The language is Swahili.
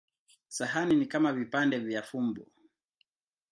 Sahani ni kama vipande vya fumbo.